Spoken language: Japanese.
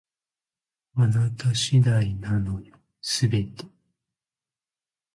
あなた次第なのよ、全て